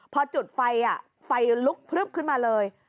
พอจุดไฟไฟลุกพลึบขึ้นมาเลย